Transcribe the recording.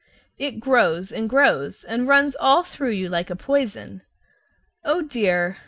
It grows and grows, and runs all through you like a poison. Oh dear!